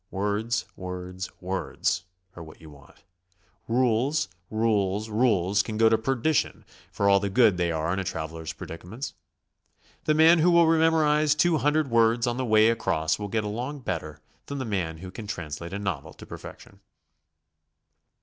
Words, words, words, — are w'hat you want; rules rules, rules can go to perdition, for all the good they are in a traveler's predicaments. The man who will memorize two hundred words on the way across will get along better than the man who can translate a novel to perfection.